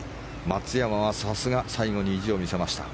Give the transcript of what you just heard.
松山はさすが最後に意地を見せました。